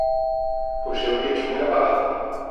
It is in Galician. _Pois eu víacho moi apagado.